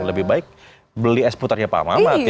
lebih baik beli es putarnya pak mamat ya